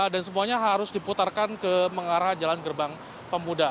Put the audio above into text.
dan semuanya harus diputarkan ke mengarah jalan gerbang pemuda